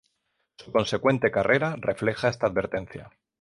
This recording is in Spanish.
Su consecuente carrera refleja esta advertencia.